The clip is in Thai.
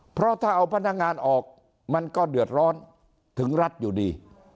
เพราะถ้าเอาพนักงานออกมันก็เดือดร้อนถึงรัฐอยู่ดี